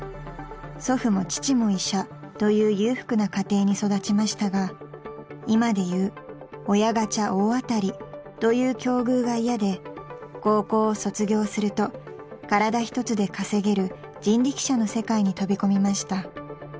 ［祖父も父も医者という裕福な家庭に育ちましたが今でいう親ガチャ大当たりという境遇が嫌で高校を卒業すると体一つで稼げる人力車の世界に飛び込みました］